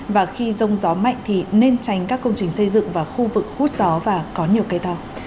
và khi rông gió mạnh thì nên tránh các công trình xây dựng và khu vực hút gió và có nhiều cây to